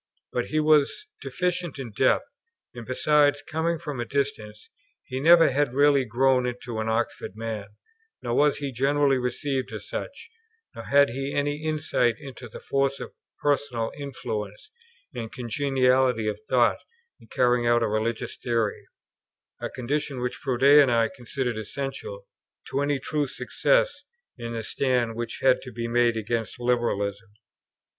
But he was deficient in depth; and besides, coming from a distance, he never had really grown into an Oxford man, nor was he generally received as such; nor had he any insight into the force of personal influence and congeniality of thought in carrying out a religious theory, a condition which Froude and I considered essential to any true success in the stand which had to be made against Liberalism.